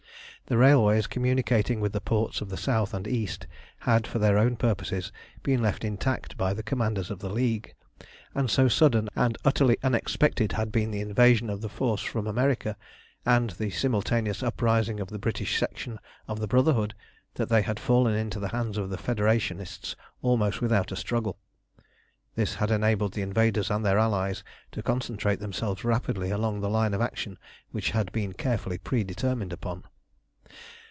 The railways communicating with the ports of the south and east had, for their own purposes, been left intact by the commanders of the League; and so sudden and utterly unexpected had been the invasion of the force from America, and the simultaneous uprising of the British Section of the Brotherhood, that they had fallen into the hands of the Federationists almost without a struggle. This had enabled the invaders and their allies to concentrate themselves rapidly along the line of action which had been carefully predetermined upon.